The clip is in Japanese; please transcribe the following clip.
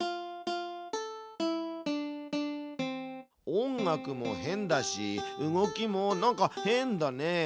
音楽も変だし動きもなんか変だね。